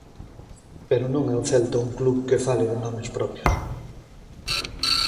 Pero non é o Celta un club que fale de nomes propios.